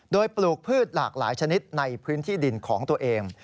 โดยปลูกพืชหลากหลายชนิดในพื้นที่ดินของตัวเอง